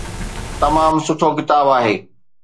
تمام سٺو ڪتاب آهي.